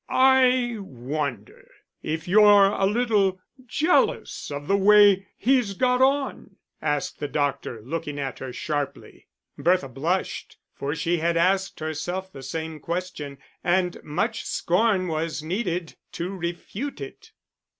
"I wonder if you're a little jealous of the way he's got on?" asked the doctor, looking at her sharply. Bertha blushed, for she had asked herself the same question, and much scorn was needed to refute it.